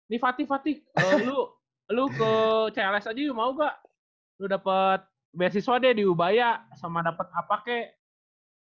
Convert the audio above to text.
nih fatih fatih lu ke cls aja mau gak lu dapet beasiswa deh di ubaya sama dapet apa kek